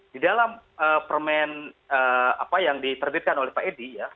di dalam permen apa yang diterbitkan oleh pak edi ya